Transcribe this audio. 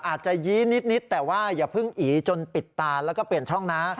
อาจจะยี้นิดแต่ว่าอย่าเพิ่งอีจนปิดตาแล้วก็เปลี่ยนช่องนะ